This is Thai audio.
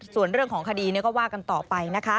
ส่วนเรื่องของคดีก็ว่ากันต่อไปนะคะ